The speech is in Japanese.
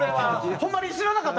ホンマに知らなかった。